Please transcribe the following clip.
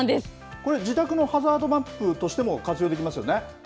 これ、自宅のハザードマップとしても活用できますよね。